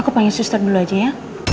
aku pengen suster dulu aja ya